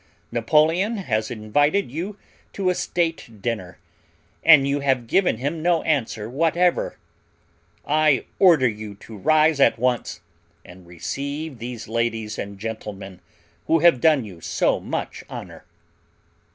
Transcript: Napoleon has invited you to a state dinner and you have given him no answer whatever. I order you to rise at once and receive these ladies and gentlemen who have done you so much honor!"